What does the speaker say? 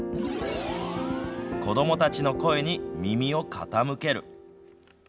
子どもたちの声に耳を傾ける。